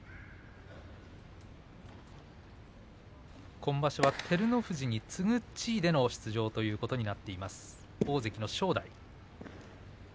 今場所は照ノ富士に次ぐ地位での出場ということになっています大関の正代。